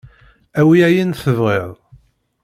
Awi ayen tebɣiḍ.